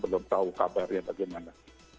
belum tahu kabarnya bagaimana